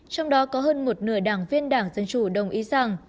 trong đó có hơn một nửa đảng viên đảng dân chủ đồng ý rằng